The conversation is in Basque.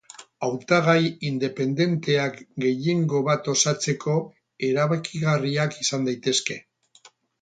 Hautagai independenteak gehiengo bat osatzeko erabakigarriak izan daitezke.